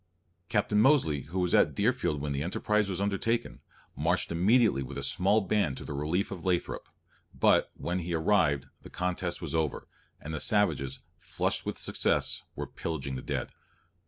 Captain Mosely, who was at Deerfield when the enterprise was undertaken, marched immediately with a small band to the relief of Lathrop; but, when he arrived, the contest was over, and the savages, flushed with success, were pillaging the dead.